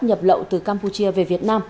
nhập lậu từ campuchia về việt nam